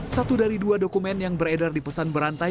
satu dari dua dokumen yang beredar di pesan berantai